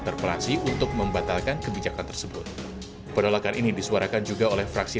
terkait penataan tanah abang ini memang kan selalu disampaikan oleh pak anis